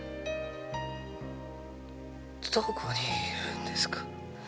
どこにいるのですか？